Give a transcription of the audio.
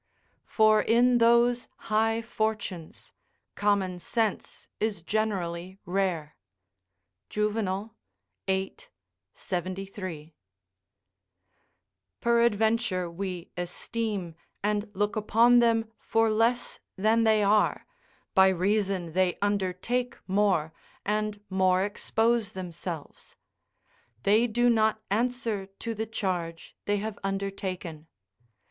["For in those high fortunes, common sense is generally rare." Juvenal, viii. 73.] Peradventure, we esteem and look upon them for less than they are, by reason they undertake more, and more expose themselves; they do not answer to the charge they have undertaken.